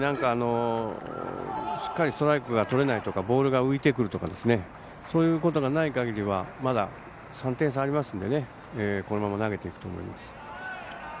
しっかりストライクが取れないとかボールが浮いてくるとかそういうことがない限りはまだ３点差あるのでこのまま投げていくと思います。